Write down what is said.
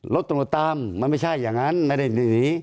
รถตรวจตามมันไม่ใช่อย่างนั้นไม่ได้หนี